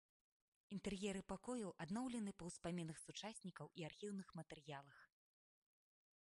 Інтэр'еры пакояў адноўлены па ўспамінах сучаснікаў і архіўных матэрыялах.